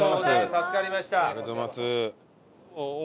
助かりました。